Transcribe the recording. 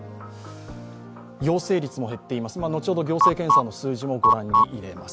陽性率も減っています、後ほど行政検査の数字もご覧に入れます。